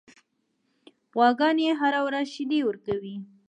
غواګانې هره ورځ شیدې ورکوي.